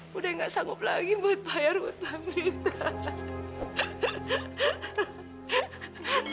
budi tidak sanggup lagi untuk membayar hutangnya